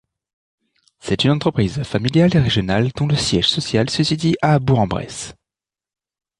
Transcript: C’est une entreprise familiale et régionale dont le siège social se situe à Bourg-en-Bresse.